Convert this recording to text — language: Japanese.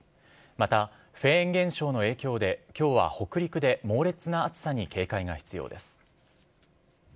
またフェーン現象の影響で、きょうは北陸で猛烈な暑さに警戒が必要です。